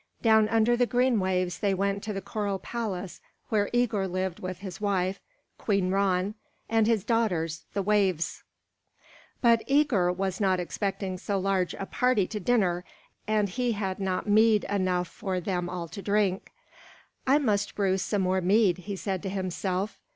Down under the green waves they went to the coral palace where Œgir lived with his wife, Queen Ran, and his daughters, the Waves. But Œgir was not expecting so large a party to dinner, and he had not mead enough for them all to drink. "I must brew some more mead," he said to himself.